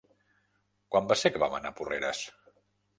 Quan va ser que vam anar a Porreres?